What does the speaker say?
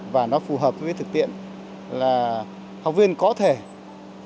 và nó phù hợp với thực tiện là học viên có thể khi nộp hồ sơ học